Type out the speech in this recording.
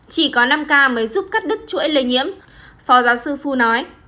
chỉ có năm k mới giúp cắt đứt chuỗi lây nhiễm phò giáo sư phu nói